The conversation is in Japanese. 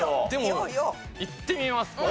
でもいってみます